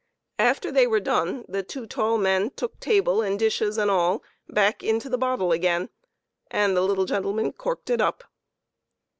After they were done, the two tall men took table and dishes and all back into the bottle again, and the little gentleman corked it up.